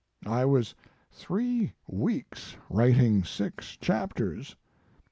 I was three weeks writing six chapters.